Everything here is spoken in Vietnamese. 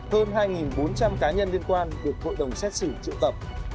hơn hai bốn trăm linh cá nhân liên quan được bộ đồng xét xỉ trị tập